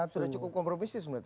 sudah cukup kompromis sih semua itu